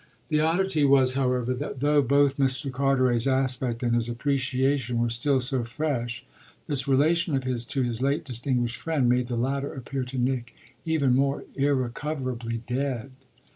The oddity was, however, that though both Mr. Carteret's aspect and his appreciation were still so fresh this relation of his to his late distinguished friend made the latter appear to Nick even more irrecoverably dead.